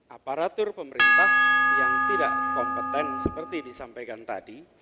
aparatur pemerintah yang tidak kompeten seperti disampaikan tadi